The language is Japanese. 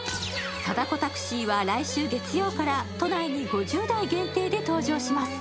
貞子タクシーは来週月曜から都内に５０台限定で登場します。